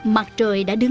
mặt trời đã đứng bình